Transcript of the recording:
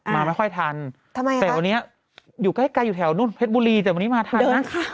มาไม่ค่อยทันทำไมแต่วันนี้อยู่ใกล้อยู่แถวนู่นเพชรบุรีแต่วันนี้มาทันนะคะ